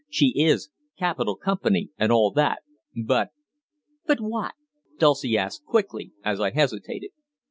"She is capital company and all that, but " "But what?" Dulcie asked quickly, as I hesitated.